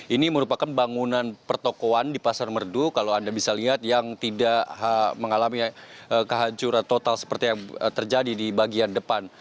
ini merupakan bangunan pertokoan di pasar merdu kalau anda bisa lihat yang tidak mengalami kehancuran total seperti yang terjadi di bagian depan